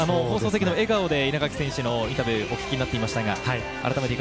放送席で笑顔で稲垣選手のインタビューお聞きになっていましたが。